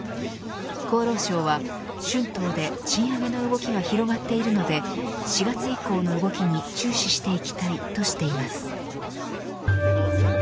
厚労省は春闘で賃上げの動きが広がっているので４月以降の動きに注視していきたいとしています。